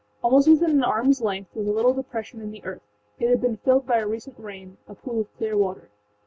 Almost within an armâs length was a little depression in the earth; it had been filled by a recent rainâa pool of clear water.